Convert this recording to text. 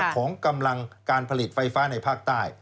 ของกำลังการผลิตไฟฟ้าในภาคใต้